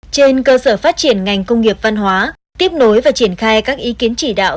trên cơ sở phát triển ngành công nghiệp văn hóa tiếp nối và triển khai các ý kiến chỉ đạo